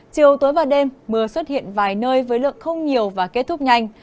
chiều tối và đêm mưa xuất hiện vài nơi với lượng không nhiều và kết thúc nhanh